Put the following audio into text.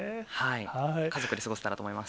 家族で過ごせたらと思います。